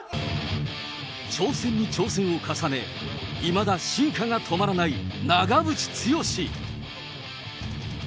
挑戦に挑戦を重ね、いまだ進化が止まらない長渕剛。